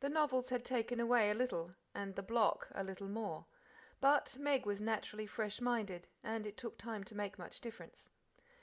The novels had taken away a little, and the "Block" a little more, but, Meg was naturally freshminded, and it took time to make much difference.